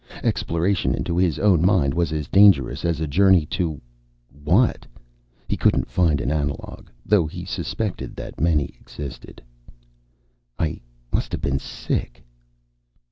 _ Exploration into his own mind was as dangerous as a journey to what? He couldn't find an analogue, though he suspected that many existed. _I must have been sick.